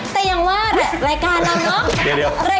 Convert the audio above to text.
แต่ยังว่ารายการเราเนอะ